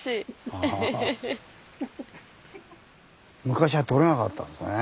昔はとれなかったんですね。